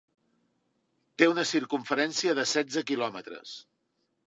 Té una circumferència de setze quilòmetres.